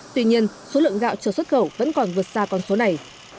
tuy nhiên số lượng gạo chưa xuất khẩu vẫn còn vượt xa con số này